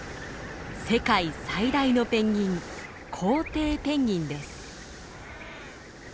世界最大のペンギンコウテイペンギンです。